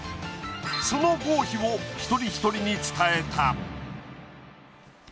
その合否を一人一人に伝えた。